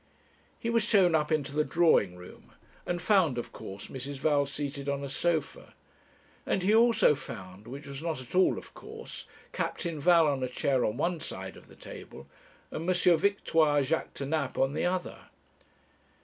He was shown up into the drawing room, and found, of course, Mrs. Val seated on a sofa; and he also found, which was not at all of course, Captain Val, on a chair on one side of the table, and M. Victoire Jaquêtanàpe on the other.